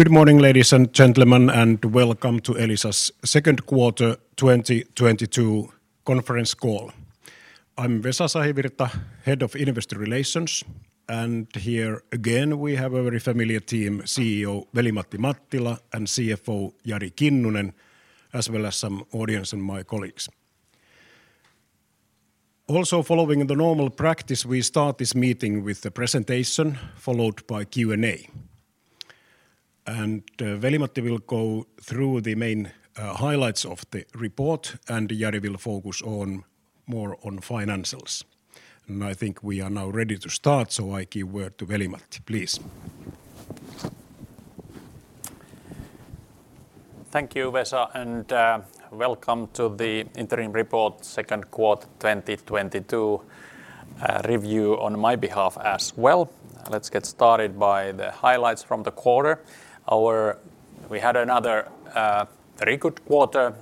Good morning, ladies and gentlemen, and welcome to Elisa's second quarter 2022 conference call. I'm Vesa Sahivirta, Head of Investor Relations, and here again, we have a very familiar team, CEO Veli-Matti Mattila and CFO Jari Kinnunen, as well as some audience and my colleagues. Also following the normal practice, we start this meeting with the presentation followed by Q&A. Veli-Matti will go through the main highlights of the report, and Jari will focus more on financials. I think we are now ready to start, so I give the word to Veli-Matti, please. Thank you, Vesa, and welcome to the interim report second quarter 2022 review on my behalf as well. Let's get started by the highlights from the quarter. We had another very good quarter,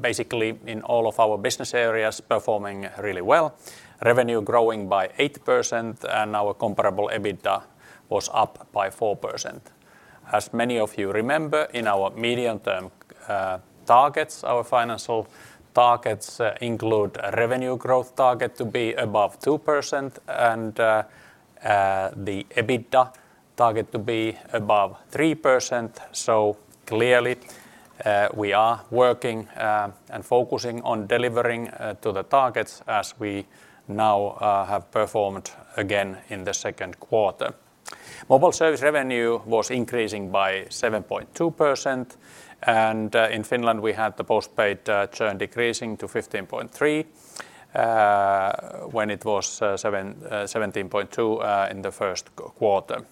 basically in all of our business areas performing really well. Revenue growing by 8%, and our comparable EBITDA was up by 4%. As many of you remember in our medium-term targets, our financial targets include a revenue growth target to be above 2% and the EBITDA target to be above 3%. Clearly, we are working and focusing on delivering to the targets as we now have performed again in the second quarter. Mobile service revenue was increasing by 7.2%. In Finland, we had the postpaid churn decreasing to 15.3%, when it was 17.2% in the first quarter.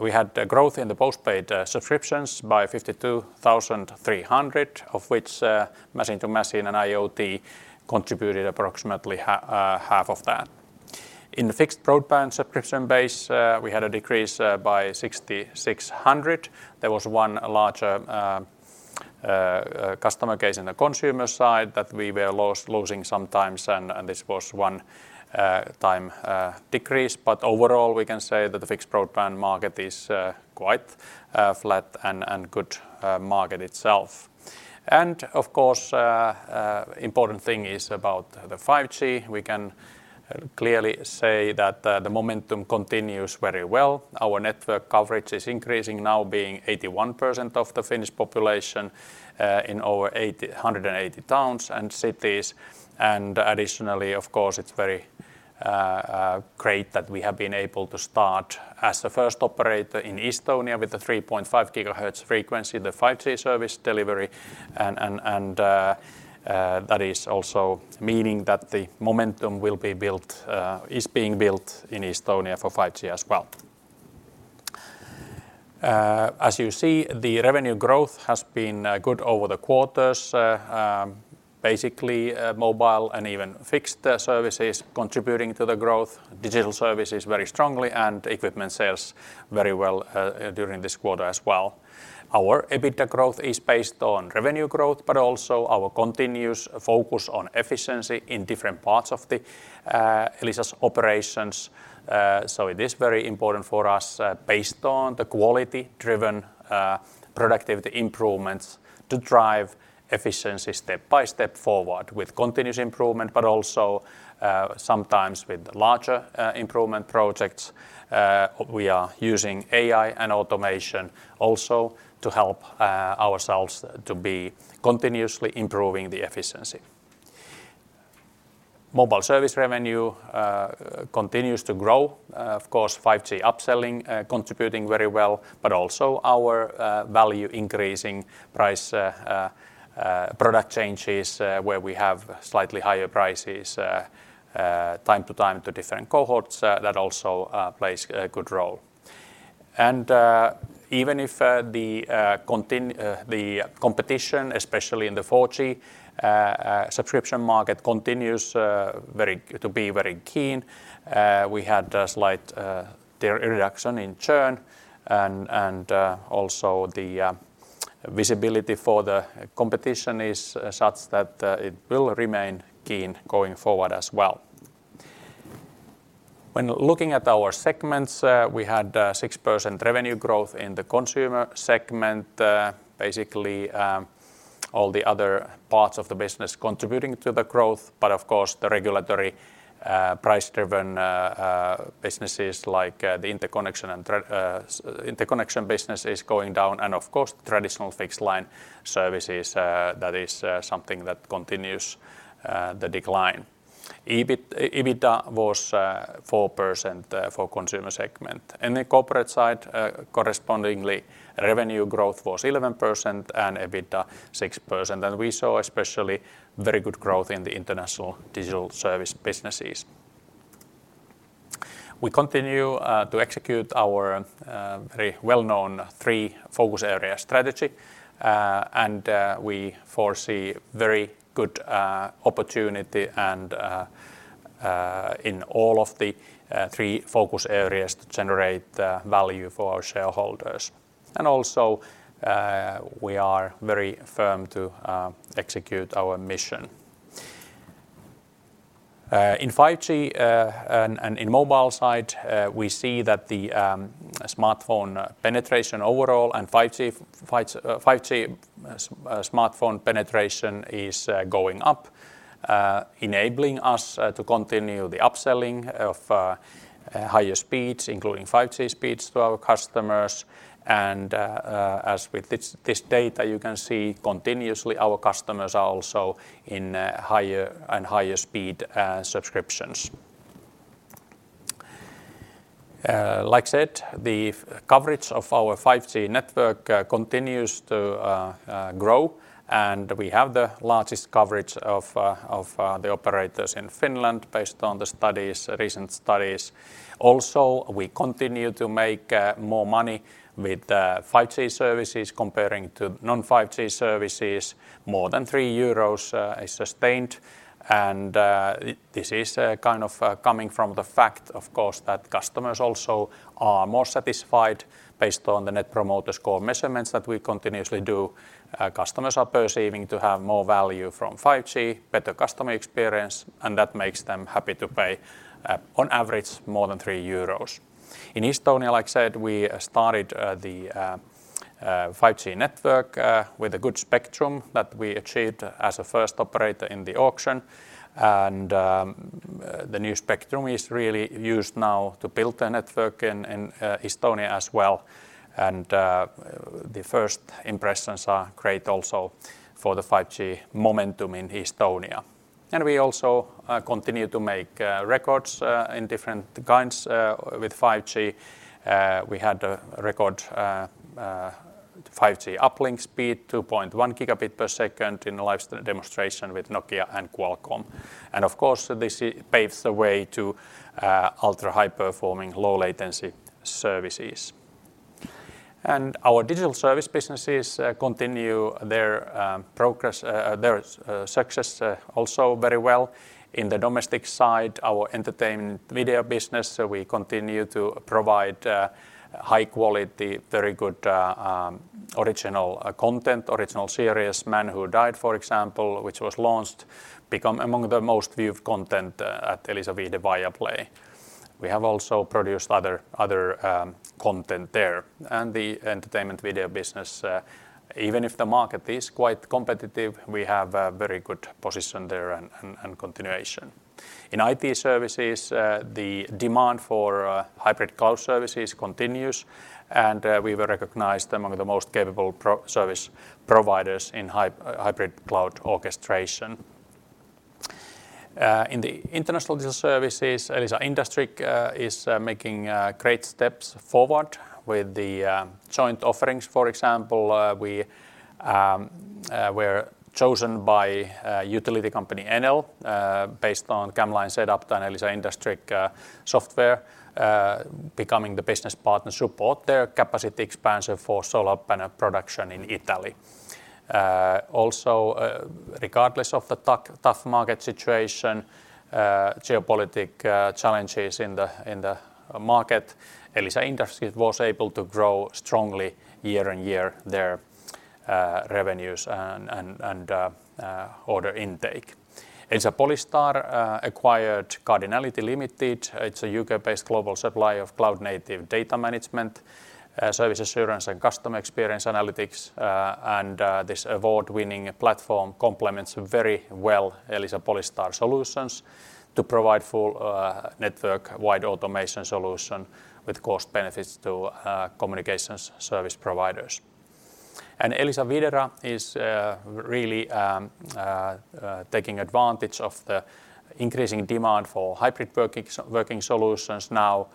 We had growth in the postpaid subscriptions by 52,300, of which machine-to-machine and IoT contributed approximately half of that. In the fixed broadband subscription base, we had a decrease by 6,600. There was one larger customer case in the Consumer side that we were losing sometimes, and this was one-time decrease. Overall, we can say that the fixed broadband market is quite flat and good market itself. Of course, important thing is about the 5G. We can clearly say that the momentum continues very well. Our network coverage is increasing now being 81% of the Finnish population, in over 180 towns and cities. Additionally, of course, it's very great that we have been able to start as the first operator in Estonia with the 3.5 GHz frequency, the 5G service delivery. That is also meaning that the momentum will be built, is being built in Estonia for 5G as well. As you see, the revenue growth has been good over the quarters, basically, mobile and even fixed services contributing to the growth, digital services very strongly, and equipment sales very well, during this quarter as well. Our EBITDA growth is based on revenue growth, but also our continuous focus on efficiency in different parts of the, Elisa's operations. It is very important for us, based on the quality-driven, productivity improvements to drive efficiency step-by-step forward with continuous improvement, but also, sometimes with larger, improvement projects. We are using AI and automation also to help ourselves to be continuously improving the efficiency. Mobile service revenue continues to grow. Of course, 5G upselling, contributing very well, but also our, value increasing price, product changes, where we have slightly higher prices, time to time to different cohorts, that also, plays a good role. Even if the competition, especially in the 4G subscription market, continues to be very keen, we had a slight reduction in churn and also the visibility for the competition is such that it will remain keen going forward as well. When looking at our segments, we had 6% revenue growth in the Consumer segment, basically all the other parts of the business contributing to the growth. Of course, the regulatory price-driven businesses like the interconnection business is going down. Of course, traditional fixed line services, that is something that continues the decline. EBITDA was 4% for Consumer segment. In the Corporate side, correspondingly, revenue growth was 11% and EBITDA 6%. We saw especially very good growth in the international digital service businesses. We continue to execute our very well known three focus area strategy, and we foresee very good opportunity and in all of the three focus areas to generate value for our shareholders. We are very firm to execute our mission in 5G, and in mobile side, we see that the smartphone penetration overall and 5G smartphone penetration is going up, enabling us to continue the upselling of higher speeds, including 5G speeds to our customers. As with this data, you can see continuously our customers are also in higher and higher speed subscriptions. Like I said, the coverage of our 5G network continues to grow, and we have the largest coverage of the operators in Finland based on the studies, recent studies. Also, we continue to make more money with 5G services compared to non-5G services. More than 3 euros is sustained. This is kind of coming from the fact, of course, that customers also are more satisfied based on the Net Promoter Score measurements that we continuously do. Customers are perceiving to have more value from 5G, better customer experience, and that makes them happy to pay on average more than 3 euros. In Estonia, like I said, we started the 5G network with a good spectrum that we achieved as a first operator in the auction. The new spectrum is really used now to build a network in Estonia as well. The first impressions are great also for the 5G momentum in Estonia. We also continue to make records in different kinds with 5G. We had a record 5G uplink speed, 2.1 Gbps in a live demonstration with Nokia and Qualcomm. Of course, this paves the way to ultra-high performing, low latency services. Our digital service businesses continue their progress, their success also very well. In the domestic side, our entertainment video business, we continue to provide high quality, very good original content, original series. Man Who Died, for example, which was launched, become among the most viewed content at Elisa Viihde Viaplay. We have also produced other content there. The entertainment video business, even if the market is quite competitive, we have a very good position there and continuation. In IT services, the demand for hybrid cloud services continues, and we were recognized among the most capable service providers in hybrid cloud orchestration. In the international digital services, Elisa IndustrIQ is making great steps forward with the joint offerings. For example, we were chosen by utility company Enel based on camLine, sedApta, and Elisa IndustrIQ software becoming the business partner support their capacity expansion for solar panel production in Italy. Also, regardless of the tough market situation, geopolitical challenges in the market, Elisa IndustrIQ was able to grow strongly year-on-year their revenues and order intake. Elisa Polystar acquired Cardinality Ltd. It's a U.K.-based global supplier of cloud-native data management service assurance and customer experience analytics. This award-winning platform complements very well Elisa Polystar solutions to provide full network-wide automation solution with cost benefits to communications service providers. Elisa Videra is really taking advantage of the increasing demand for hybrid working solutions now.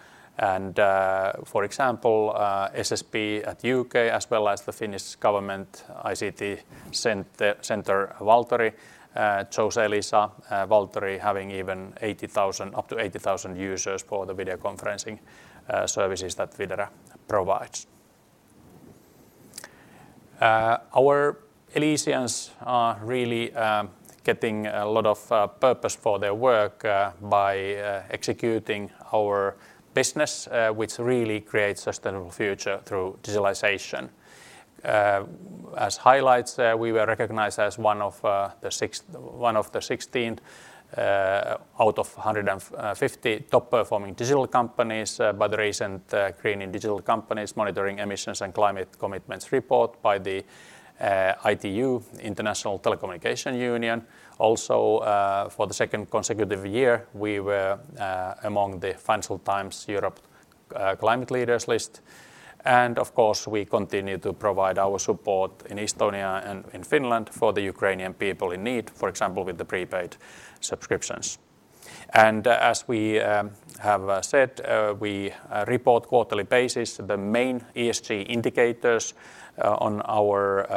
For example, SSP in the U.K. as well as the Finnish Government ICT Centre, Valtori, chose Elisa. Valtori having up to 80,000 users for the video conferencing services that Virera provides. Our Elisians are really getting a lot of purpose for their work by executing our business, which really creates sustainable future through digitalization. As highlights, we were recognized as one of the 16 out of 150 top-performing digital companies by the recent creating digital companies monitoring emissions and climate commitments report by the ITU, International Telecommunication Union. Also, for the second consecutive year, we were among the Financial Times Europe's Climate Leaders list. Of course, we continue to provide our support in Estonia and in Finland for the Ukrainian people in need, for example, with the prepaid subscriptions. As we have said, we report quarterly basis the main ESG indicators on our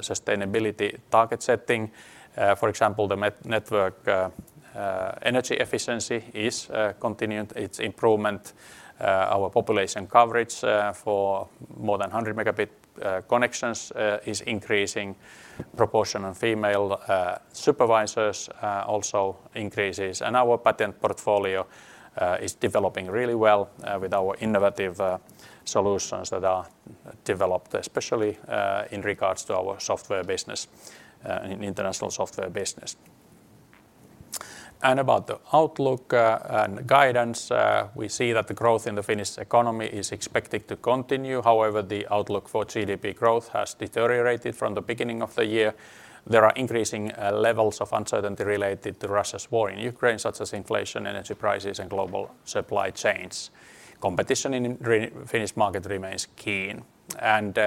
sustainability target setting. For example, the network energy efficiency is continuing its improvement. Our population coverage for more than 100 Mb connections is increasing. Proportion of female supervisors also increases. Our patent portfolio is developing really well with our innovative solutions that are developed, especially in regards to our software business in international software business. About the outlook and guidance, we see that the growth in the Finnish economy is expected to continue. However, the outlook for GDP growth has deteriorated from the beginning of the year. There are increasing levels of uncertainty related to Russia's war in Ukraine, such as inflation, energy prices, and global supply chains. Competition in Finnish market remains keen.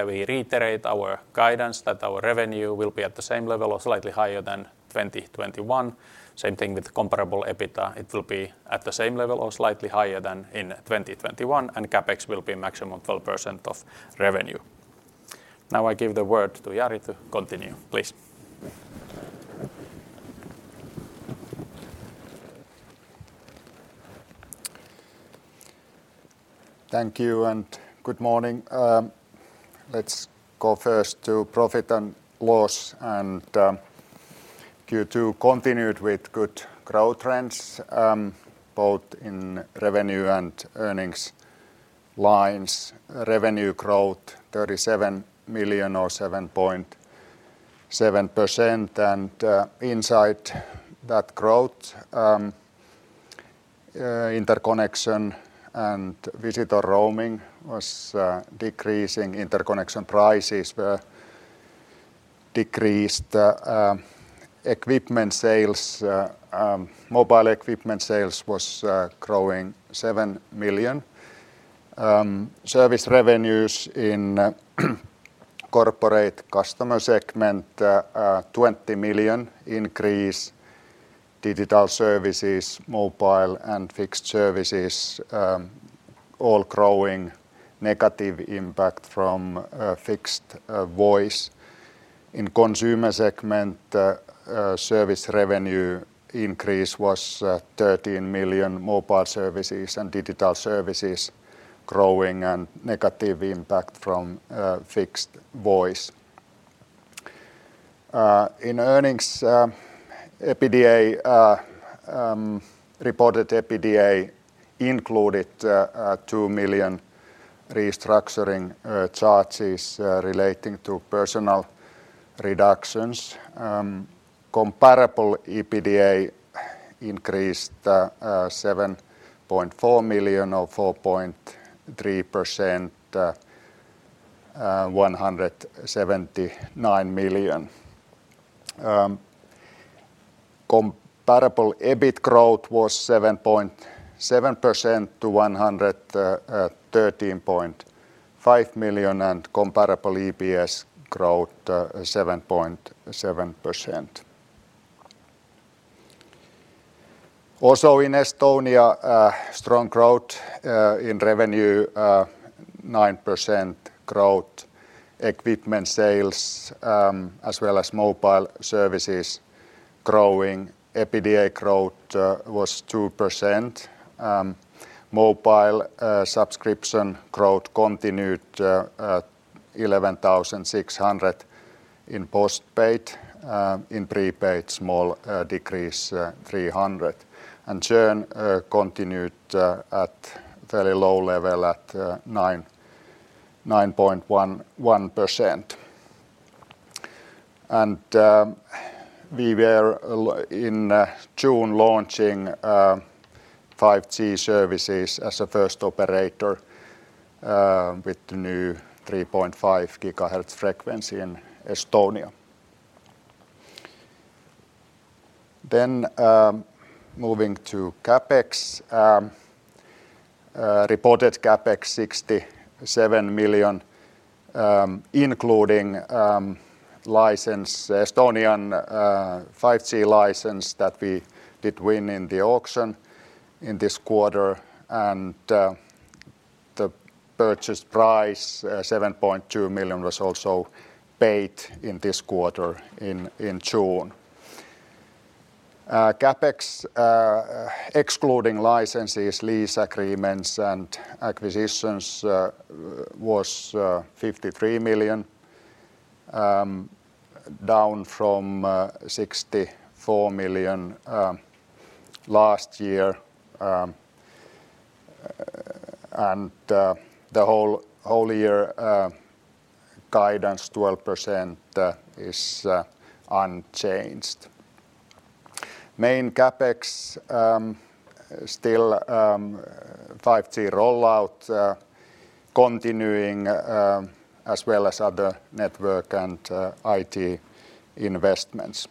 We reiterate our guidance that our revenue will be at the same level or slightly higher than 2021. Same thing with comparable EBITDA. It will be at the same level or slightly higher than in 2021, and CapEx will be maximum 12% of revenue. Now I give the word to Jari to continue, please. Thank you, and good morning. Let's go first to profit and loss, and Q2 continued with good growth trends, both in revenue and earnings lines. Revenue growth, 37 million or 7.7%, and inside that growth, interconnection and visitor roaming was decreasing. Interconnection prices were decreased. Equipment sales, mobile equipment sales was growing 7 million. Service revenues in Corporate Customer segment, 20 million increase. Digital services, mobile and fixed services, all growing. Negative impact from fixed voice. In Consumer segment, service revenue increase was 13 million. Mobile services and digital services growing, and negative impact from fixed voice. In earnings, EBITDA, reported EBITDA included EUR 2 million restructuring charges relating to personal reductions. Comparable EBITDA increased 7.4 million or 4.3% to 179 million. Comparable EBIT growth was 7.7% to 113.5 million, and comparable EPS growth 7.7%. Also in Estonia, strong growth in revenue, 9% growth. Equipment sales as well as mobile services growing. EBITDA growth was 2%. Mobile subscription growth continued at 11,600 in postpaid. In prepaid, small decrease, 300. Churn continued at very low level at 9.11%. We were launching in June 5G services as a first operator with the new 3.5 GHz frequency in Estonia. Moving to CapEx. Reported CapEx EUR 67 million, including Estonian 5G license that we did win in the auction in this quarter, and the purchase price 7.2 million was also paid in this quarter in June. CapEx excluding licenses, lease agreements, and acquisitions was 53 million, down from 64 million last year. The whole year guidance 12% is unchanged. Main CapEx still 5G rollout continuing as well as other network and IT investments.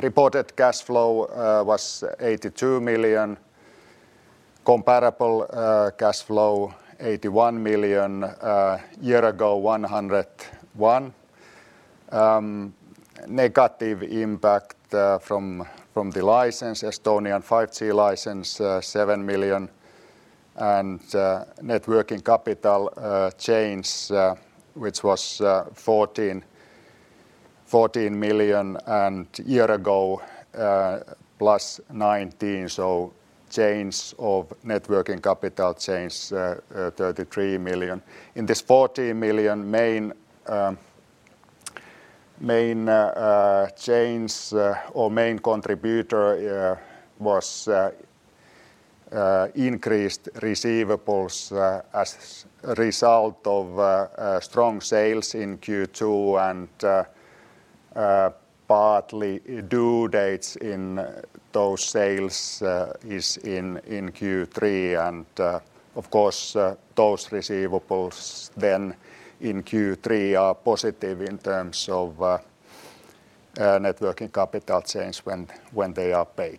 Reported cash flow was 82 million. Comparable cash flow 81 million. Year ago, 101 million. Negative impact from the Estonian 5G license, 7 million, and net working capital change, which was 14 million year ago +19 million, so change of net working capital, 33 million. In this 14 million, main, main contributor was increased receivables as a result of strong sales in Q2 and partly due dates in those sales is in Q3. Of course, those receivables then in Q3 are positive in terms of net working capital change when they are paid.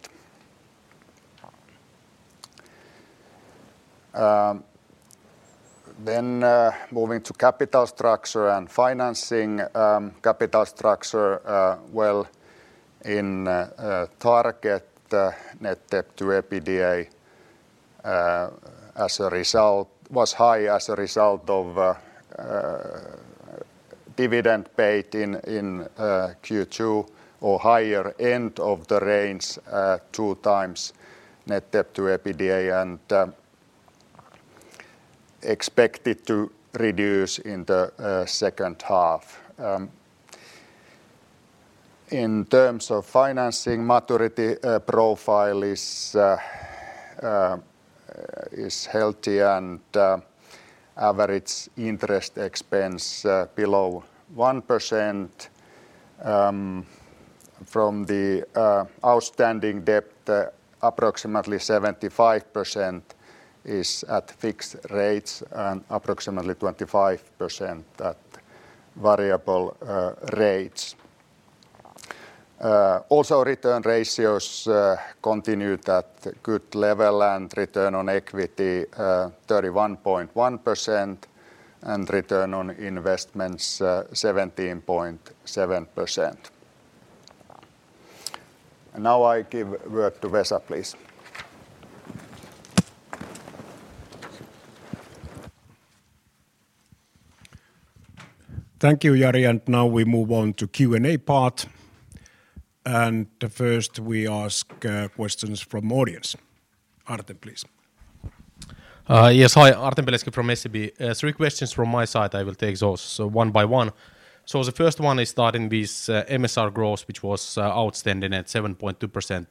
Moving to capital structure and financing. Capital structure, well, target net debt to EBITDA was high as a result of dividend paid in Q2 at higher end of the range, 2x net debt to EBITDA, and expected to reduce in the second half. In terms of financing, maturity profile is healthy and average interest expense below 1%. From the outstanding debt, approximately 75% is at fixed rates and approximately 25% at variable rates. Also return ratios continued at good level, and return on equity 31.1%, and return on investments 17.7%. Now I give word to Vesa, please. Thank you, Jari. Now we move on to Q&A part. First we ask questions from audience. Artem, please. Yes. Hi, Artem Beletsky from SEB. Three questions from my side. I will take those, one by one. The first one is starting this MSR growth, which was outstanding at 7.2%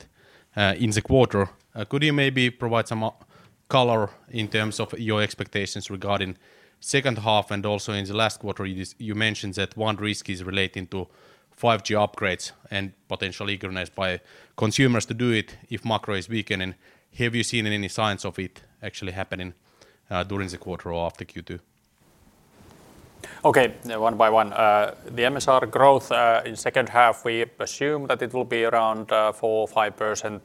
in the quarter. Could you maybe provide some color in terms of your expectations regarding second half? Also in the last quarter you mentioned that one risk is relating to 5G upgrades and potential indifference by consumers to do it if macro is weakening. Have you seen any signs of it actually happening during the quarter or after Q2? Okay. One by one. The MSR growth in second half, we assume that it will be around 4% or 5%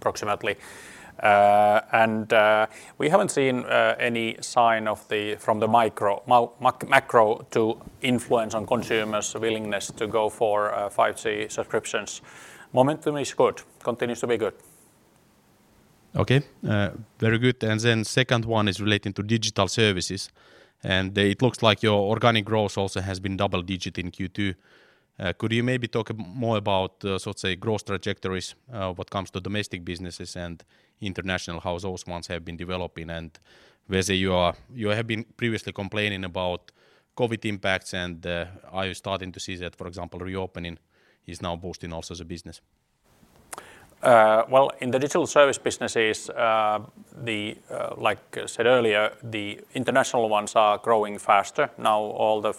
approximately. We haven't seen any sign from the micro-macro to influence on consumers' willingness to go for 5G subscriptions. Momentum is good, continues to be good. Okay. Very good. Second one is relating to digital services, and it looks like your organic growth also has been double-digit in Q2. Could you maybe talk more about so let's say, growth trajectories, when it comes to domestic businesses and international, how those ones have been developing? Whether you have been previously complaining about COVID impacts, are you starting to see that, for example, reopening is now boosting also the business? Well, in the digital service businesses, like I said earlier, the international ones are growing faster. Now all the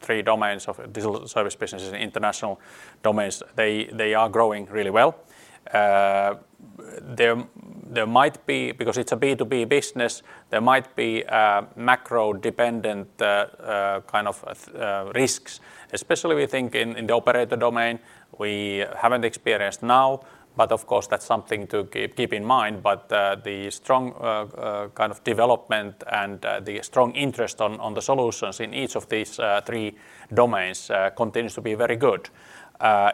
three domains of digital service businesses and international domains, they are growing really well. There might be. Because it's a B2B business, there might be macro dependent kind of risks, especially we think in the operator domain. We haven't experienced now, but of course that's something to keep in mind. The strong kind of development and the strong interest in the solutions in each of these three domains continues to be very good.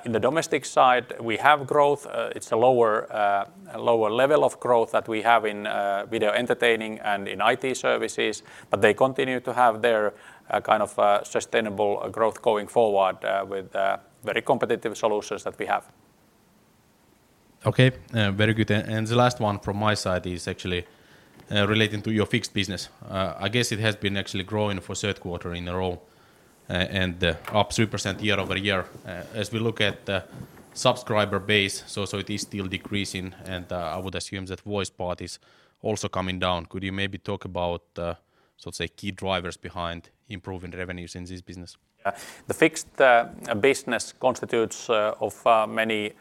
In the domestic side, we have growth. It's a lower level of growth that we have in video entertainment and in IT services, but they continue to have their kind of sustainable growth going forward with very competitive solutions that we have. Okay. Very good. The last one from my side is actually relating to your fixed business. I guess it has been actually growing for third quarter in a row, and up 3% year-over-year. As we look at the subscriber base, so it is still decreasing, and I would assume that voice part is also coming down. Could you maybe talk about so let's say, key drivers behind improving revenues in this business? Yeah. The fixed business constitutes of many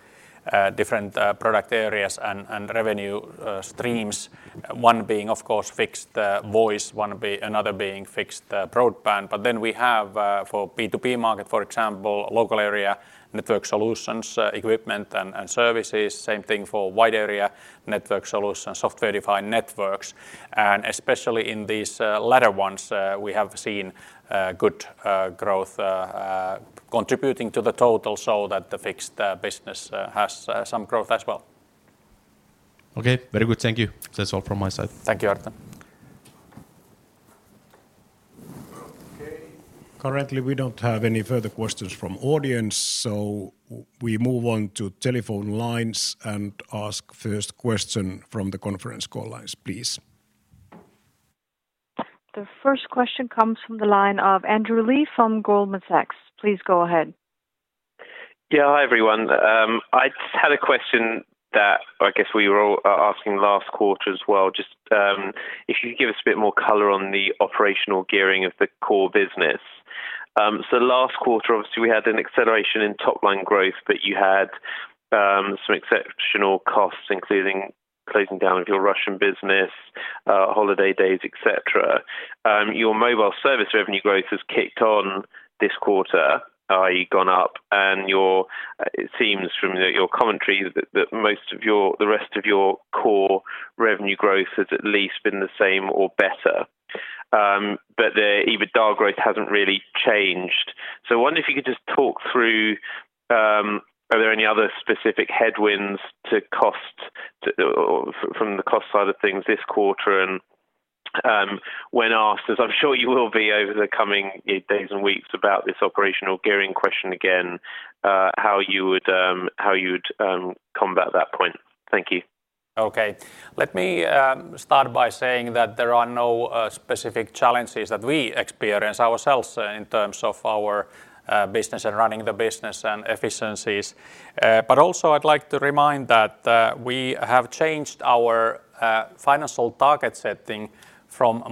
different product areas and revenue streams. One being, of course, fixed voice. Another being fixed broadband. We have for B2B market, for example, local area network solutions, equipment and services. Same thing for wide area network solutions, software-defined networks. Especially in these latter ones, we have seen good growth contributing to the total so that the fixed business has some growth as well. Okay. Very good. Thank you. That's all from my side. Thank you, Artem. Okay. Currently, we don't have any further questions from audience, so we move on to telephone lines and ask first question from the conference call lines, please. The first question comes from the line of Andrew Lee from Goldman Sachs. Please go ahead. Yeah. Hi, everyone. I just had a question that I guess we were all asking last quarter as well. Just, if you could give us a bit more color on the operational gearing of the core business. So last quarter, obviously, we had an acceleration in top-line growth, but you had some exceptional costs, including closing down of your Russian business, holiday days, et cetera. Your mobile service revenue growth has kicked on this quarter, i.e., gone up, and it seems from your commentary that most of the rest of your core revenue growth has at least been the same or better. But the EBITDA growth hasn't really changed. I wonder if you could just talk through, are there any other specific headwinds to costs or from the cost side of things this quarter? When asked, as I'm sure you will be over the coming days and weeks about this operational gearing question again, how you would combat that point. Thank you. Okay. Let me start by saying that there are no specific challenges that we experience ourselves in terms of our business and running the business and efficiencies. Also I'd like to remind that we have changed our financial target setting from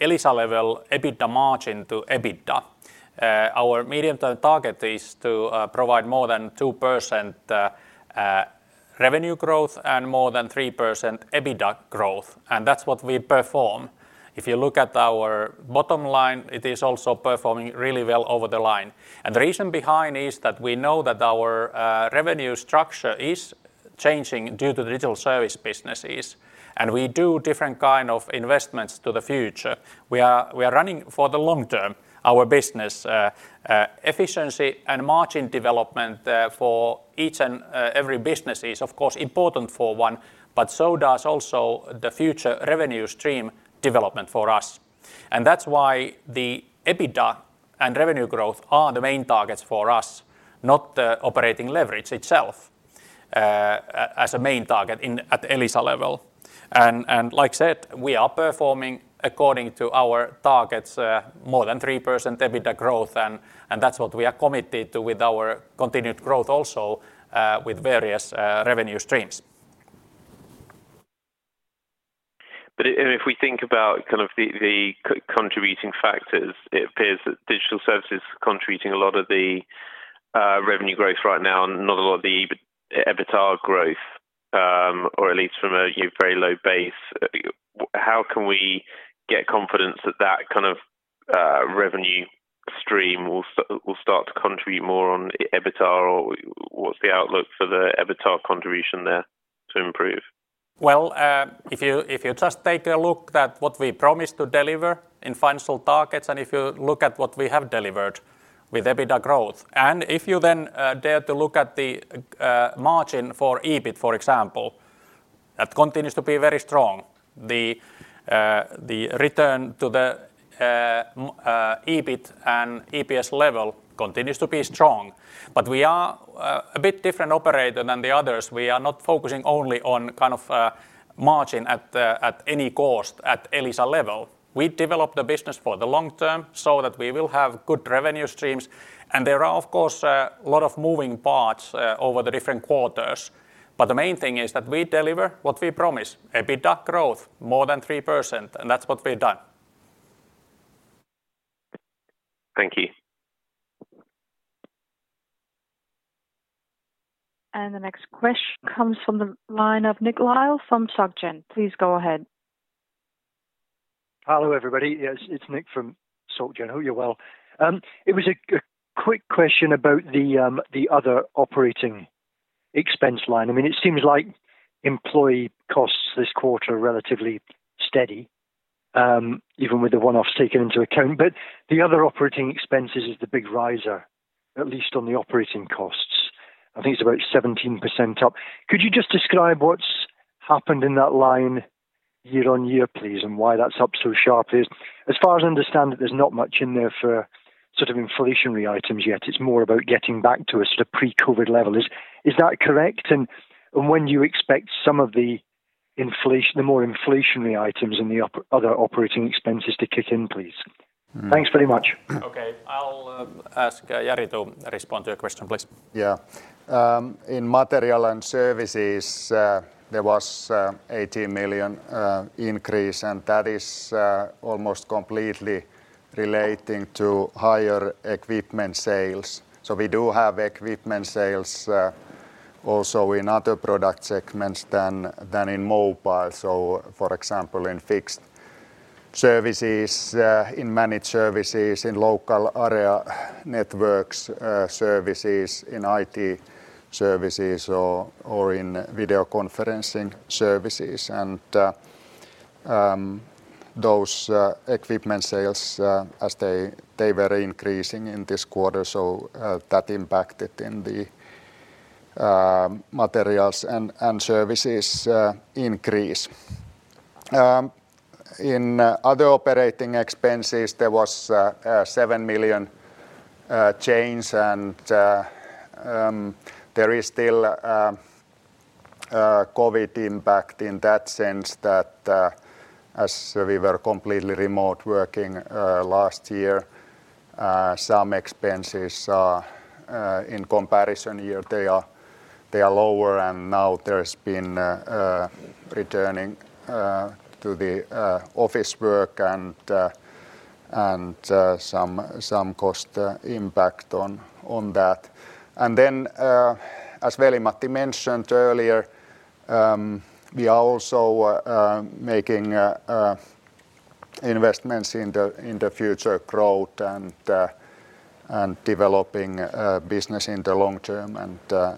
Elisa level EBITDA margin to EBITDA. Our medium-term target is to provide more than 2% revenue growth and more than 3% EBITDA growth, and that's what we perform. If you look at our bottom line, it is also performing really well over the line. The reason behind is that we know that our revenue structure is changing due to the digital service businesses, and we do different kind of investments to the future. We are running for the long term our business efficiency and margin development for each and every business is, of course, important for one, but so does also the future revenue stream development for us. That's why the EBITDA and revenue growth are the main targets for us, not the operating leverage itself as a main target at Elisa level. Like I said, we are performing according to our targets more than 3% EBITDA growth, and that's what we are committed to with our continued growth also with various revenue streams. If we think about kind of the contributing factors, it appears that digital services is contributing a lot of the revenue growth right now and not a lot of the EBITDA growth, or at least from a you know very low base. How can we get confidence that that kind of revenue stream will start to contribute more on EBITDA, or what's the outlook for the EBITDA contribution there to improve? If you just take a look at what we promised to deliver in financial targets, and if you look at what we have delivered with EBITDA growth, and if you then dare to look at the margin for EBIT, for example, that continues to be very strong. The return to the EBIT and EPS level continues to be strong. We are a bit different operator than the others. We are not focusing only on kind of margin at any cost at Elisa level. We develop the business for the long term so that we will have good revenue streams. There are, of course, a lot of moving parts over the different quarters. The main thing is that we deliver what we promise, EBITDA growth more than 3%, and that's what we've done. Thank you. The next question comes from the line of Nick Lyall from SocGen. Please go ahead. Hello, everybody. Yes, it's Nick from SocGen. I hope you're well. It was a quick question about the other operating expense line. I mean, it seems like employee costs this quarter are relatively steady, even with the one-offs taken into account. But the other operating expenses is the big riser, at least on the operating costs. I think it's about 17% up. Could you just describe what's happened in that line year-on-year, please, and why that's up so sharply? As far as I understand it, there's not much in there for sort of inflationary items yet. It's more about getting back to a sort of pre-COVID level. Is that correct? And when do you expect some of the inflation, the more inflationary items in the other operating expenses to kick in, please? Thanks very much. Okay. I'll ask Jari to respond to your question, please. Yeah. In materials and services, there was 18 million increase, and that is almost completely relating to higher equipment sales. We do have equipment sales also in other product segments than in mobile. For example, in fixed services, in managed services, in local area network services, in IT services or in video conferencing services. Those equipment sales, as they were increasing in this quarter, that impacted in the materials and services increase. In other operating expenses, there was a 7 million change and there is still COVID impact in that sense that as we were completely remote working last year some expenses in comparison year they are lower and now there's been returning to the office work and some cost impact on that. Then as Veli-Matti mentioned earlier we are also making investments in the future growth and developing business in the long term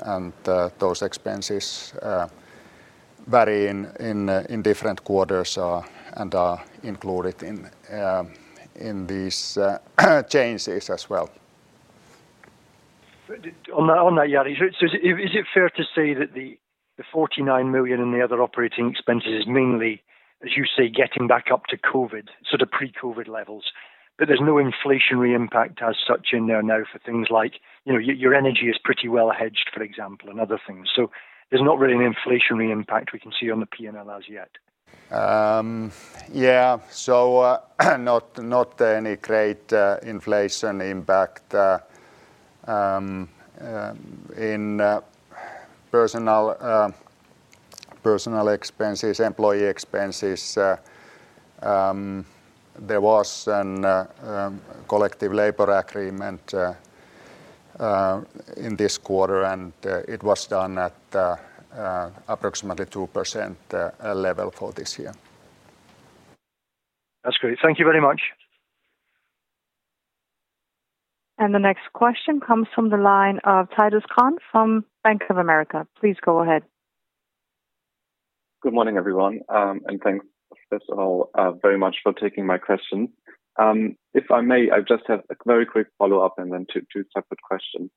and those expenses vary in different quarters and are included in these changes as well. On that, Jari. Is it fair to say that the 49 million in the other operating expenses is mainly, as you say, getting back up to COVID, sort of pre-COVID levels, but there's no inflationary impact as such in there now for things like, you know, your energy is pretty well hedged, for example, and other things. There's not really an inflationary impact we can see on the P&L as yet. Yeah. Not any great inflation impact in personnel expenses, employee expenses. There was a collective labor agreement in this quarter, and it was done at approximately 2% level for this year. That's great. Thank you very much. The next question comes from the line of Titus Krahn from Bank of America. Please go ahead. Good morning, everyone, and thanks first of all, very much for taking my question. If I may, I just have a very quick follow-up and then two separate questions.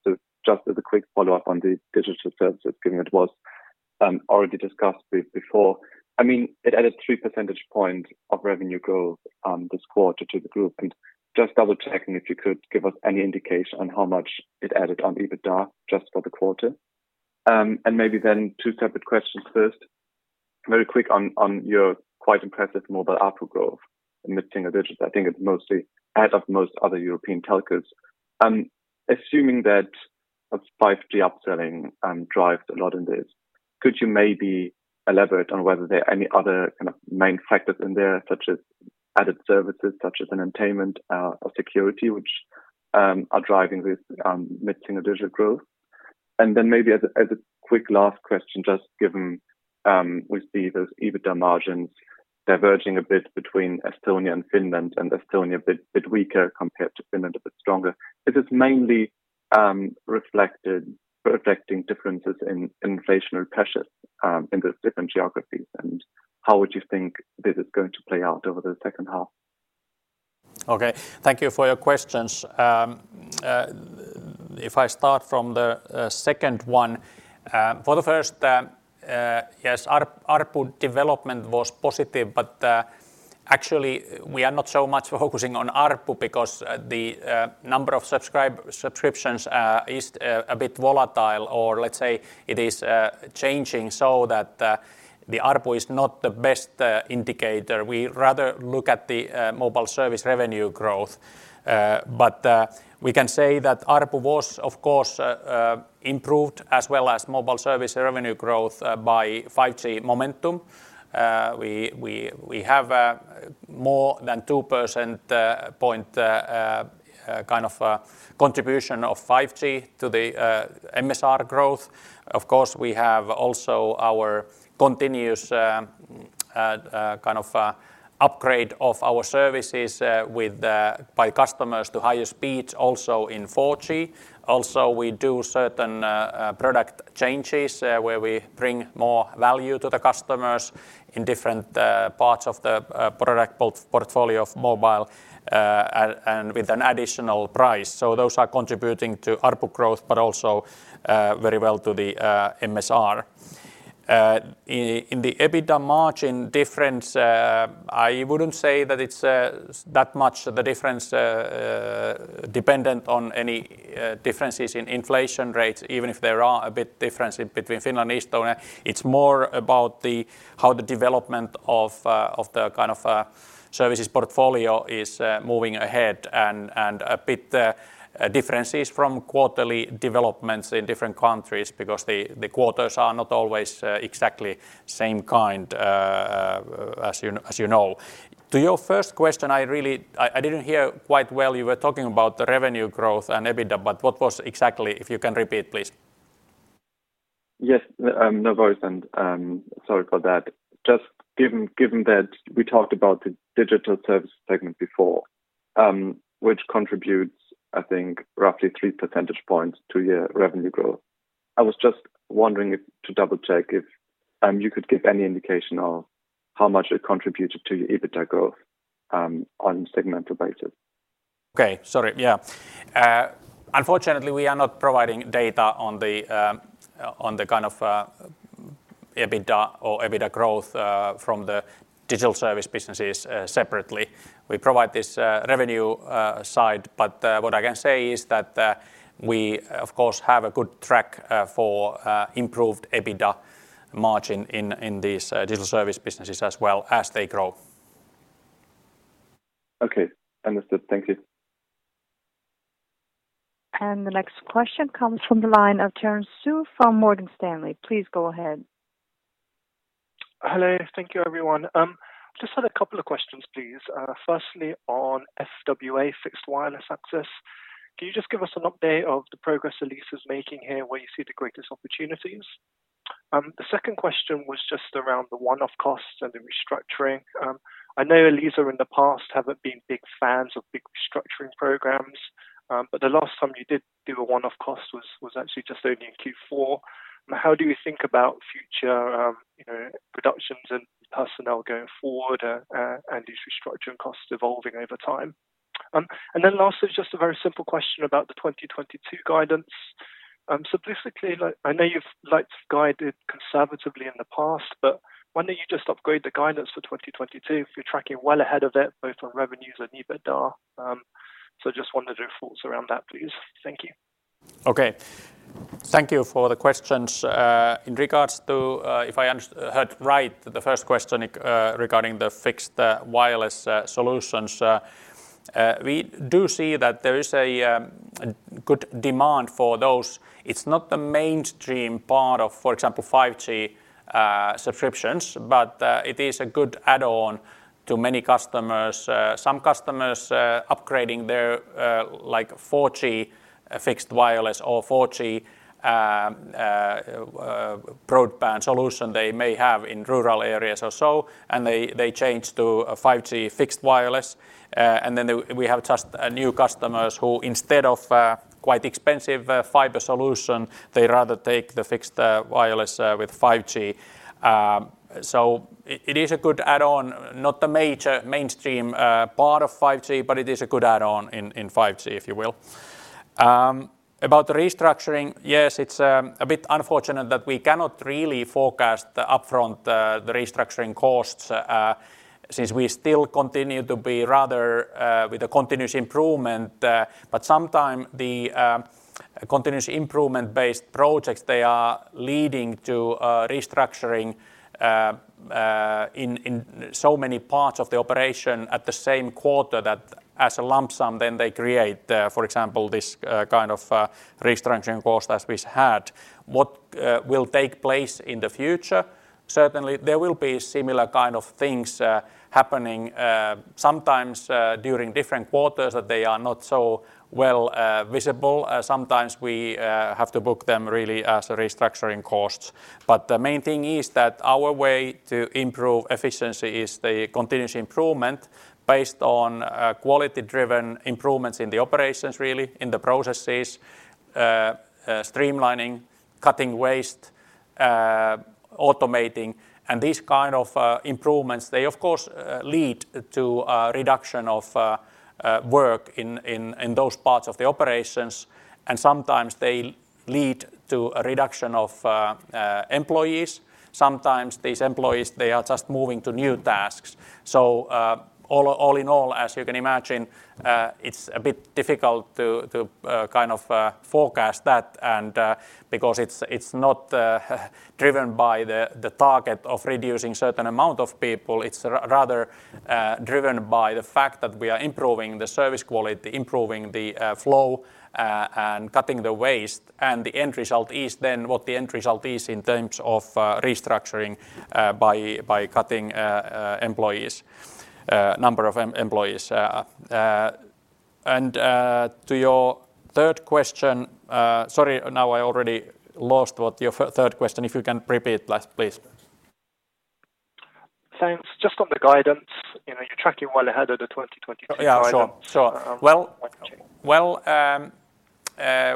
Just as a quick follow-up on the digital services, given it was already discussed before. I mean, it added 3 percentage points of revenue growth this quarter to the group. Just double-checking, if you could give us any indication on how much it added to EBITDA just for the quarter. Maybe then two separate questions. First, very quick on your quite impressive mobile ARPU growth in the high single digits. I think it's mostly ahead of most other European telcos. Assuming that 5G upselling drives a lot in this, could you maybe elaborate on whether there are any other kind of main factors in there, such as added services, such as entertainment, or security, which are driving this mixing of digital growth? Maybe as a quick last question, just given we see those EBITDA margins diverging a bit between Estonia and Finland, and Estonia a bit weaker compared to Finland, a bit stronger. Is this mainly reflecting differences in inflationary pressures in the different geographies? And how would you think this is going to play out over the second half? Okay. Thank you for your questions. If I start from the second one. For the first, yes, ARPU development was positive, but actually we are not so much focusing on ARPU because the number of subscriptions is a bit volatile, or let's say it is changing so that the ARPU is not the best indicator. We rather look at the mobile service revenue growth. We can say that ARPU was of course improved as well as mobile service revenue growth by 5G momentum. We have more than 2% point kind of contribution of 5G to the MSR growth. Of course, we have also our continuous upgrade of our services by customers to higher speeds also in 4G. Also, we do certain product changes where we bring more value to the customers in different parts of the product portfolio of mobile and with an additional price. Those are contributing to ARPU growth, but also very well to the MSR. In the EBITDA margin difference, I wouldn't say that it's that much the difference dependent on any differences in inflation rates, even if there are a bit difference between Finland and Estonia. It's more about how the development of the kind of services portfolio is moving ahead and a bit differences from quarterly developments in different countries because the quarters are not always exactly same kind, as you know. To your first question, I really I didn't hear quite well, you were talking about the revenue growth and EBITDA, but what was exactly, if you can repeat, please? Yes. No voice and, sorry for that. Just given that we talked about the digital service segment before, which contributes, I think, roughly 3 percentage points to your revenue growth. I was just wondering to double-check if you could give any indication of how much it contributed to your EBITDA growth, on segmental basis. Unfortunately, we are not providing data on the kind of EBITDA growth from the digital service businesses separately. We provide this revenue side. What I can say is that we of course have a good track record for improved EBITDA margin in these digital service businesses as well as they grow. Okay. Understood. Thank you. The next question comes from the line of Terence Tsui from Morgan Stanley. Please go ahead. Hello. Thank you, everyone. Just had a couple of questions, please. Firstly, on FWA, fixed wireless access, can you just give us an update of the progress Elisa's making here, where you see the greatest opportunities? The second question was just around the one-off costs and the restructuring. I know Elisa in the past haven't been big fans of big restructuring programs, but the last time you did do a one-off cost was actually just only in Q4. How do you think about future, you know, productions and personnel going forward, and these restructuring costs evolving over time? Lastly, just a very simple question about the 2022 guidance. Simplistically, like I know you've liked to guide it conservatively in the past, but why don't you just upgrade the guidance for 2022 if you're tracking well ahead of it both on revenues and EBITDA? Just wonder your thoughts around that, please. Thank you. Okay. Thank you for the questions. In regards to, if I heard right, the first question, regarding the fixed wireless solutions, we do see that there is a good demand for those. It's not the mainstream part of, for example, 5G subscriptions, but it is a good add-on to many customers. Some customers upgrading their, like 4G fixed wireless or 4G broadband solution they may have in rural areas or so, and they change to 5G fixed wireless. And then we have just new customers who instead of quite expensive fiber solution, they rather take the fixed wireless with 5G. So it is a good add-on, not the major mainstream part of 5G, but it is a good add-on in 5G, if you will. About the restructuring, yes, it's a bit unfortunate that we cannot really forecast the upfront restructuring costs since we still continue to be rather with a continuous improvement. Sometimes the continuous improvement-based projects, they are leading to restructuring in so many parts of the operation in the same quarter that, as a lump sum, then they create, for example, this kind of restructuring cost as we had. What will take place in the future? Certainly, there will be similar kind of things happening sometimes during different quarters that they are not so visible. Sometimes we have to book them really as a restructuring cost. The main thing is that our way to improve efficiency is the continuous improvement based on quality-driven improvements in the operations really, in the processes, streamlining, cutting waste, automating. These kind of improvements, they of course lead to a reduction of work in those parts of the operations, and sometimes they lead to a reduction of employees. Sometimes these employees, they are just moving to new tasks. All in all, as you can imagine, it's a bit difficult to kind of forecast that and because it's not driven by the target of reducing certain amount of people. It's rather driven by the fact that we are improving the service quality, improving the flow and cutting the waste. The end result is then what the end result is in terms of restructuring by cutting number of employees. To your third question, sorry, now I already lost what your third question, if you can repeat, please. Thanks. Just on the guidance, you know, you're tracking well ahead of the 2022 guidance. Yeah, sure. Well,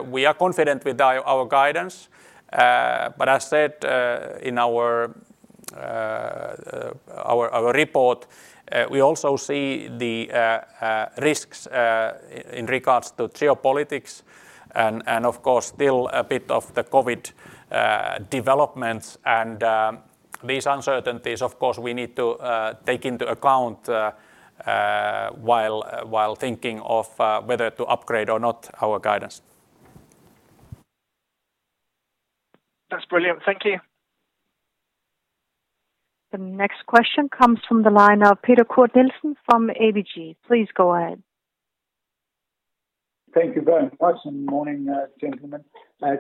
we are confident with our guidance. But as said, in our report, we also see the risks in regards to geopolitics and, of course, still a bit of the COVID developments. These uncertainties, of course, we need to take into account while thinking of whether to upgrade or not our guidance. That's brilliant. Thank you. The next question comes from the line of Peter Kurt Nielsen from ABG. Please go ahead. Thank you very much, and good morning, gentlemen.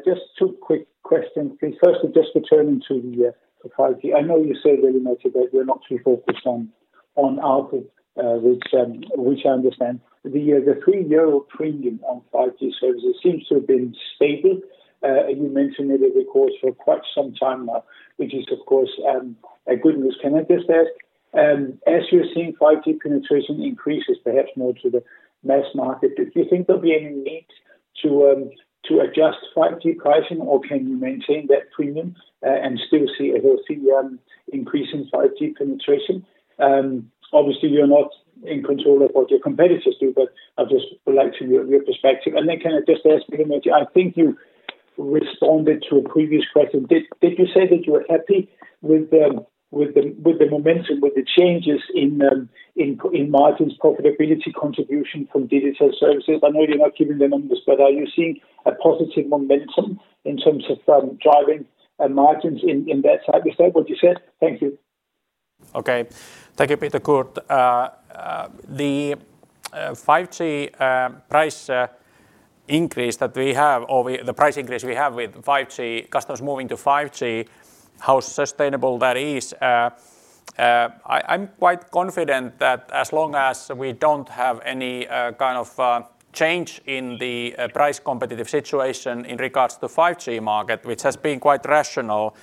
Just two quick questions, please. Firstly, just returning to 5G. I know you said earlier today that you're not too focused on output, which I understand. The three-year premium on 5G services seems to have been stable. You mentioned it, of course, for quite some time now, which is, of course, good news. Can I just ask, as you're seeing 5G penetration increases perhaps more to the mass market, do you think there'll be any need to adjust 5G pricing, or can you maintain that premium and still see a healthy increase in 5G penetration? Obviously, you're not in control of what your competitors do, but I'd just like to hear your perspective. Can I just ask, Veli-Matti, I think you responded to a previous question. Did you say that you were happy with the momentum with the changes in margins profitability contribution from digital services? I know you're not giving the numbers, but are you seeing a positive momentum in terms of driving margins in that side? Is that what you said? Thank you. Okay. Thank you, Peter Kurt. The 5G price increase that we have, the price increase we have with 5G, customers moving to 5G, how sustainable that is. I'm quite confident that as long as we don't have any kind of change in the price competitive situation in regards to 5G market, which has been quite rational,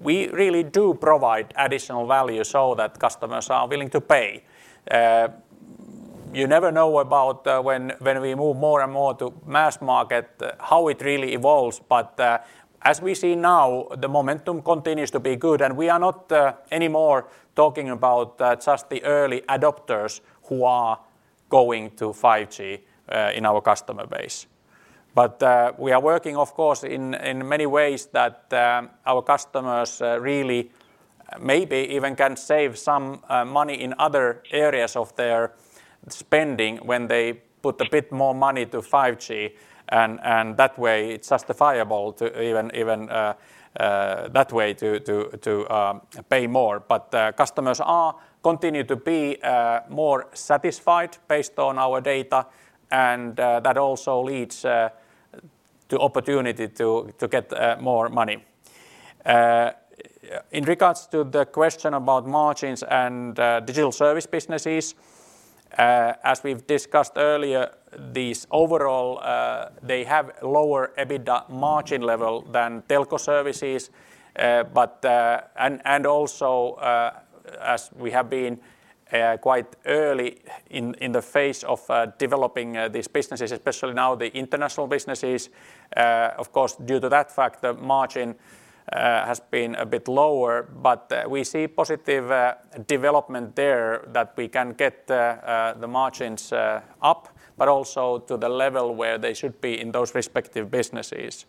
we really do provide additional value so that customers are willing to pay. You never know about when we move more and more to mass market, how it really evolves. But as we see now, the momentum continues to be good, and we are not anymore talking about just the early adopters who are going to 5G in our customer base. We are working, of course, in many ways that our customers really maybe even can save some money in other areas of their spending when they put a bit more money to 5G and that way it's justifiable to even that way to pay more. Customers are continue to be more satisfied based on our data, and that also leads to opportunity to get more money. In regards to the question about margins and digital service businesses, as we've discussed earlier, these overall they have lower EBITDA margin level than telco services. Also, as we have been quite early in the phase of developing these businesses, especially the international businesses, of course, due to that fact, the margin has been a bit lower. We see positive development there that we can get the margins up, but also to the level where they should be in those respective businesses.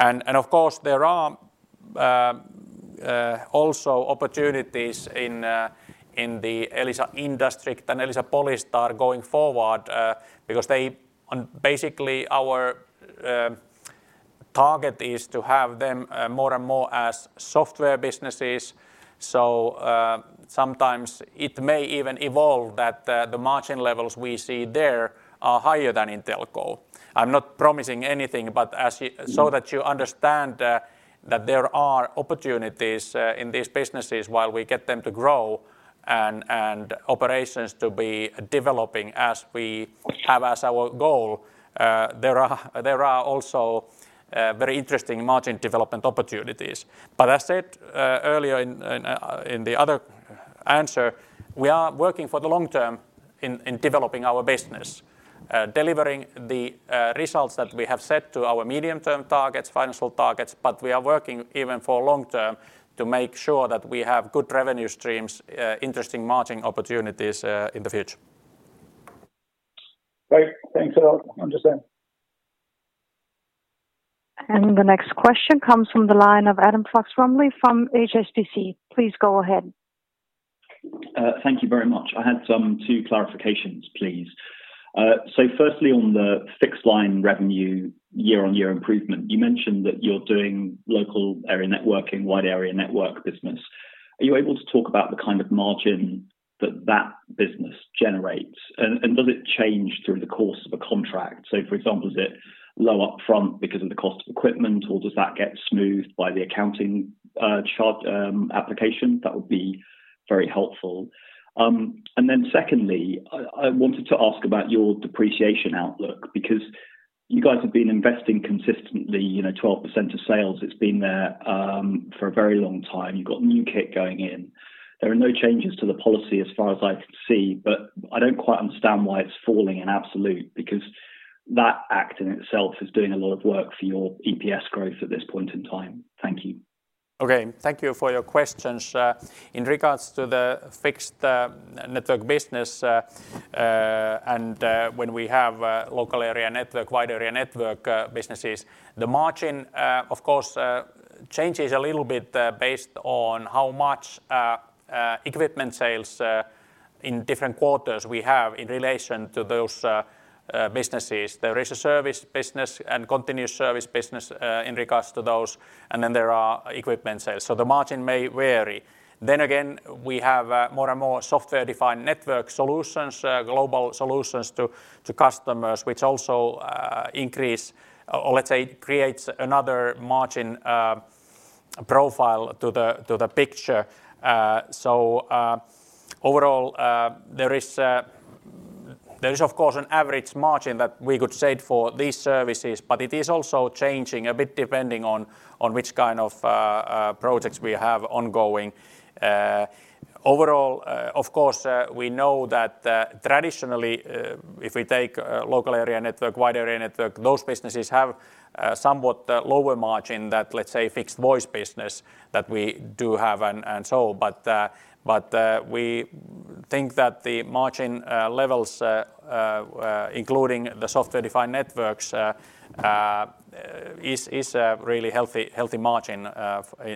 Of course, there are also opportunities in the Elisa IndustrIQ and Elisa Polystar going forward, because basically our target is to have them more and more as software businesses. Sometimes it may even evolve that the margin levels we see there are higher than in telco. I'm not promising anything, but as you. That you understand, that there are opportunities in these businesses while we get them to grow and operations to be developing as we have as our goal, there are also very interesting margin development opportunities. As said, earlier in the other answer, we are working for the long term in developing our business, delivering the results that we have set to our medium-term targets, financial targets, but we are working even for long term to make sure that we have good revenue streams, interesting margin opportunities in the future. Great. Thanks a lot. Understand. The next question comes from the line of Adam Fox-Rumley from HSBC. Please go ahead. Thank you very much. I have a couple clarifications, please. First, on the fixed line revenue year-on-year improvement, you mentioned that you're doing local area networking, wide area network business. Are you able to talk about the kind of margin that that business generates? And does it change through the course of a contract? For example, is it low upfront because of the cost of equipment, or does that get smoothed by the accounting chart application? That would be very helpful. Then secondly, I wanted to ask about your depreciation outlook because you guys have been investing consistently, you know, 12% of sales. It's been there for a very long time. You've got new kit going in. There are no changes to the policy as far as I can see, but I don't quite understand why it's falling in absolute because that act in itself is doing a lot of work for your EPS growth at this point in time. Thank you. Okay. Thank you for your questions. In regards to the fixed network business, and when we have local area network, wide area network businesses, the margin of course changes a little bit based on how much equipment sales in different quarters we have in relation to those businesses. There is a service business and continuous service business in regards to those, and then there are equipment sales. The margin may vary. We have more and more software-defined networking solutions, global solutions to customers which also increase or let's say creates another margin profile to the picture. Overall, there is of course an average margin that we could set for these services, but it is also changing a bit depending on which kind of projects we have ongoing. Overall, of course, we know that traditionally, if we take local area network, wide area network, those businesses have somewhat lower margin than, let's say, fixed voice business that we do have and so. We think that the margin levels including the software-defined networks is a really healthy margin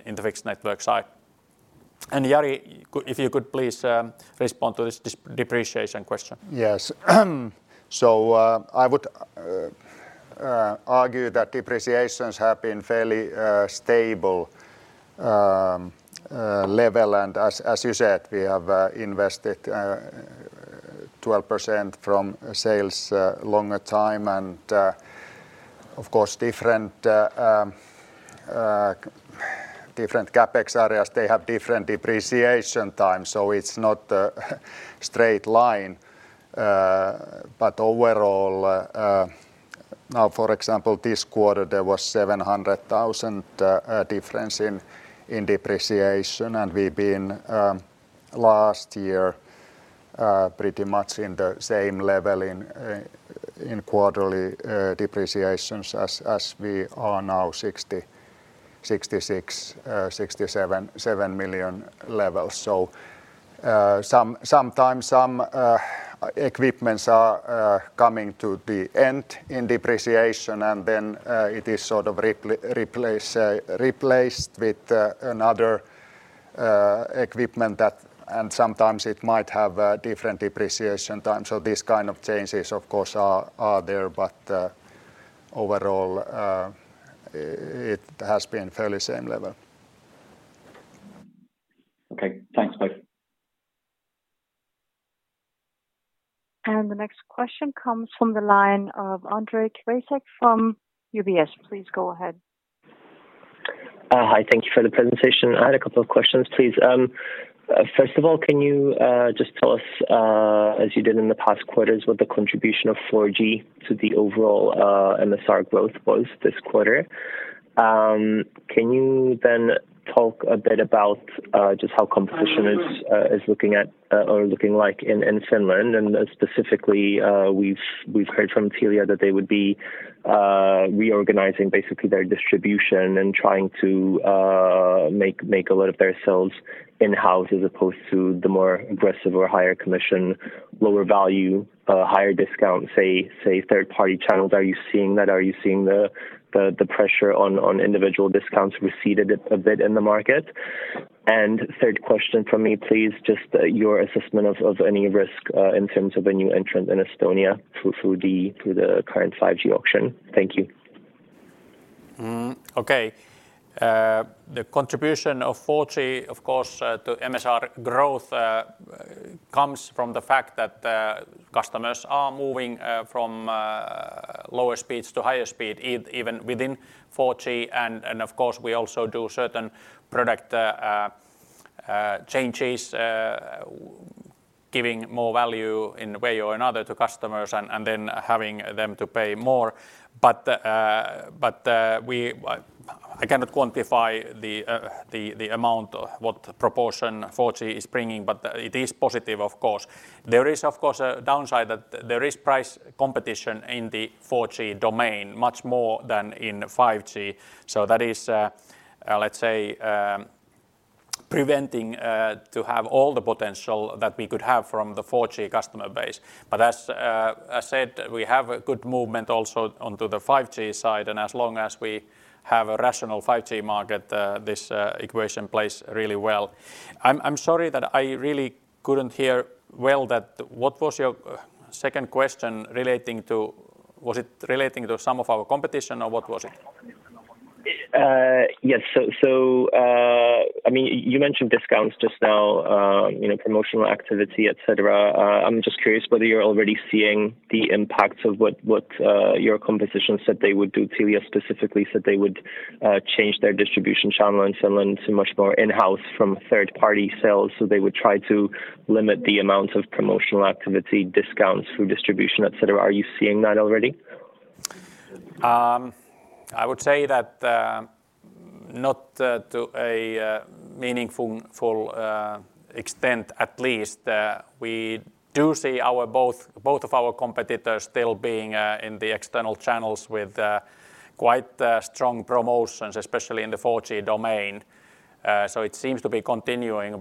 in the fixed network side. Jari, if you could please respond to this depreciation question. Yes. I would argue that depreciations have been fairly stable level. As you said, we have invested 12% of sales for a longer time. Of course different CapEx areas, they have different depreciation time. It's not a straight line. Overall, now for example this quarter, there was 700,000 difference in depreciation. We've been last year pretty much in the same level in quarterly depreciations as we are now 66 million-67 million levels. Sometimes some equipments are coming to the end in depreciation, and then it is sort of replaced with another equipment that. Sometimes it might have a different depreciation time. These kind of changes of course are there. But overall, it has been fairly same level. Okay, thanks both. The next question comes from the line of Ondrej Cabejsek from UBS. Please go ahead. Hi. Thank you for the presentation. I had a couple of questions please. First of all, can you just tell us, as you did in the past quarters, what the contribution of 4G to the overall MSR growth was this quarter? Can you then talk a bit about just how competition is looking like in Finland? Specifically, we've heard from Telia that they would be reorganizing basically their distribution and trying to make a lot of their sales in-house as opposed to the more aggressive or higher commission, lower value, higher discount, say third party channels. Are you seeing that? Are you seeing the pressure on individual discounts receded a bit in the market? Third question from me please, just your assessment of any risk in terms of a new entrant in Estonia through the current 5G auction. Thank you. Okay. The contribution of 4G of course to MSR growth comes from the fact that customers are moving from lower speeds to higher speed even within 4G. Of course, we also do certain product changes giving more value in a way or another to customers and then having them to pay more. I cannot quantify the amount what proportion 4G is bringing, but it is positive of course. There is of course a downside that there is price competition in the 4G domain much more than in 5G. That is let's say preventing to have all the potential that we could have from the 4G customer base. As I said, we have a good movement also onto the 5G side. As long as we have a rational 5G market, this equation plays really well. I'm sorry that I really couldn't hear well that. What was your second question relating to? Was it relating to some of our competition or what was it? Yes. I mean, you mentioned discounts just now, you know, promotional activity, et cetera. I'm just curious whether you're already seeing the impacts of what your competition said they would do. Telia specifically said they would change their distribution channel in Finland to much more in-house from third party sales. They would try to limit the amount of promotional activity discounts through distribution, et cetera. Are you seeing that already? I would say that not to a meaningful extent, at least. We do see both of our competitors still being in the external channels with quite strong promotions, especially in the 4G domain. It seems to be continuing.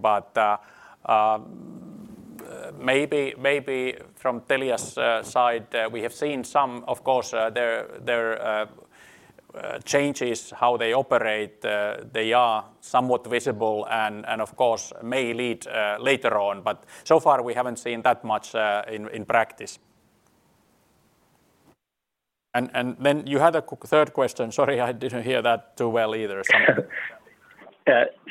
Maybe from Telia's side, we have seen some, of course, their changes how they operate. They are somewhat visible and of course may lead later on. So far we haven't seen that much in practice. Then you had a third question. Sorry, I didn't hear that too well either.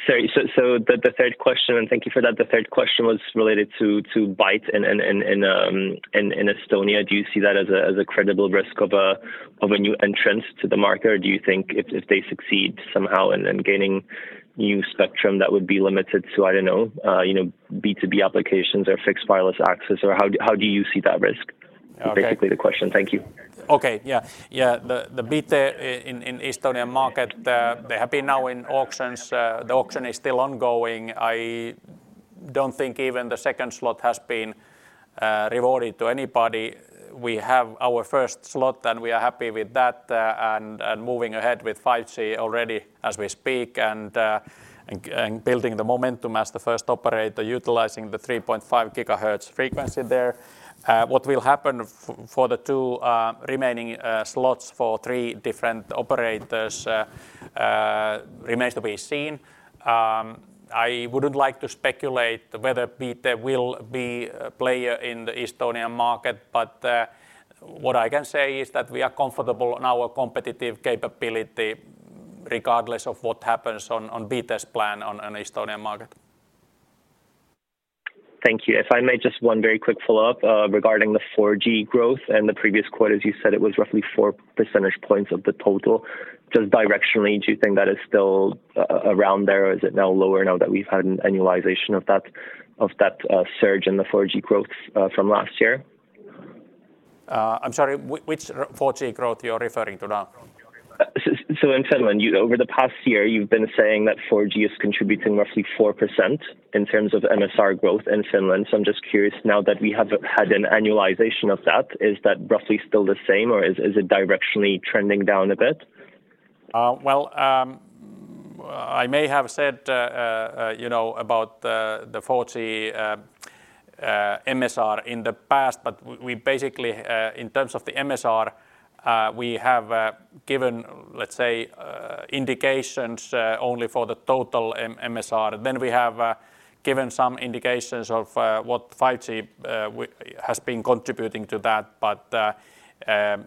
Sorry. Yeah. Sorry. The third question, and thank you for that. The third question was related to Bite in Estonia. Do you see that as a credible risk of a new entrant to the market? Or do you think if they succeed somehow in gaining new spectrum, that would be limited to, I don't know, you know, B2B applications or Fixed Wireless Access? Or how do you see that risk? Okay. Is basically the question. Thank you. The Bite in the Estonian market, they have been now in auctions. The auction is still ongoing. I don't think even the second slot has been rewarded to anybody. We have our first slot, and we are happy with that, and moving ahead with 5G already as we speak, and building the momentum as the first operator utilizing the 3.5 GHz frequency there. What will happen for the two remaining slots for three different operators remains to be seen. I wouldn't like to speculate whether Bite will be a player in the Estonian market. What I can say is that we are comfortable in our competitive capability regardless of what happens on Bite's plan on the Estonian market. Thank you. If I may just one very quick follow-up, regarding the 4G growth and the previous quote, as you said, it was roughly 4 percentage points of the total. Just directionally, do you think that is still around there or is it now lower that we've had an annualization of that surge in the 4G growth from last year? I'm sorry, which 4G growth you're referring to now? In Finland, over the past year, you've been saying that 4G is contributing roughly 4% in terms of MSR growth in Finland. I'm just curious now that we have had an annualization of that, is that roughly still the same or is it directionally trending down a bit? Well, I may have said, you know, about the 4G MSR in the past, but we basically, in terms of the MSR, we have given, let's say, indications only for the total MSR. We have given some indications of what 5G has been contributing to that.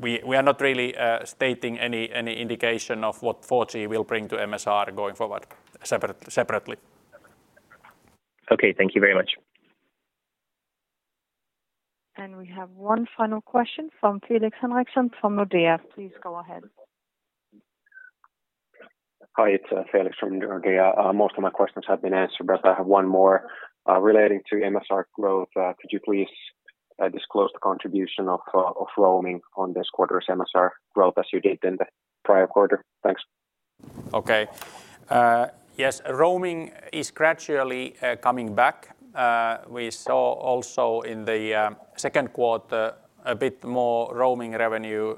We are not really stating any indication of what 4G will bring to MSR going forward separately. Okay. Thank you very much. We have one final question from Felix Henriksson from Nordea. Please go ahead. Hi, it's Felix from Nordea. Most of my questions have been answered, but I have one more relating to MSR growth. Could you please disclose the contribution of roaming on this quarter's MSR growth as you did in the prior quarter? Thanks. Yes, roaming is gradually coming back. We saw also in the second quarter a bit more roaming revenue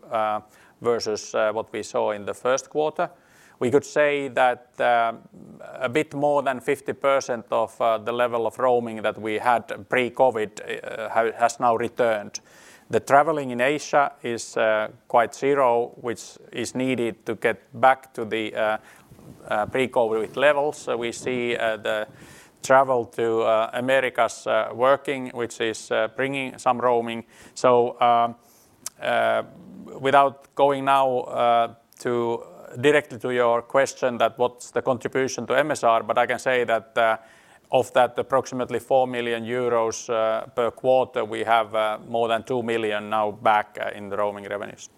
versus what we saw in the first quarter. We could say that a bit more than 50% of the level of roaming that we had pre-COVID has now returned. Traveling in Asia is quite low, which is needed to get back to the pre-COVID levels. We see the travel to the Americas working, which is bringing some roaming. Without going now directly to your question that what's the contribution to MSR, but I can say that of that approximately 4 million euros per quarter, we have more than 2 million now back in the roaming revenues.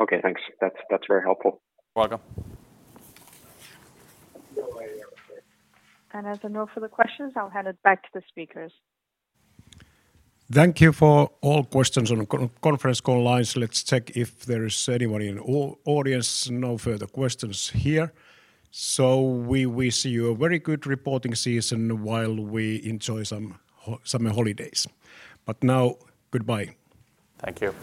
Okay, thanks. That's very helpful. Welcome. As there are no further questions, I'll hand it back to the speakers. Thank you for all questions on conference call lines. Let's check if there is anybody in audience. No further questions here. We wish you a very good reporting season while we enjoy some holidays. Now goodbye. Thank you.